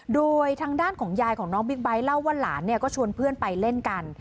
โดยทางด้านของยายของน้องบิ๊กไบท์เล่าว่าหลานเนี่ยก็ชวนเพื่อนไปเล่นกัน